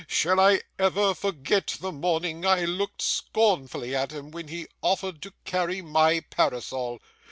Shall I ever forget the morning I looked scornfully at him when he offered to carry my parasol?